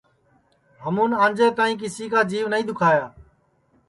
ہمون انجے تائی کسی کا جیو نائی دُؔکھایا